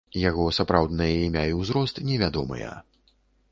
Яго сапраўднае імя і ўзрост невядомыя.